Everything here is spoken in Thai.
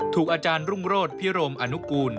อาจารย์รุ่งโรธพิรมอนุกูล